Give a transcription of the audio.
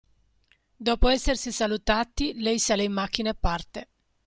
Dopo essersi salutati, lei sale in macchina e parte.